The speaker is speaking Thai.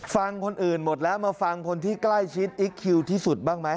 ฟังคนอื่นหมดแล้วมาฟังคนที่ใกล้ชิดอิ๊กคิวที่สุดบ้างไหม